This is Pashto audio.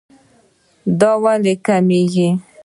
دا ولې کميږي